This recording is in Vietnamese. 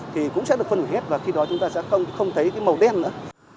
thì cũng sẽ được phân hủy hết và khi đó chúng ta sẽ không thấy cái màu đen nữa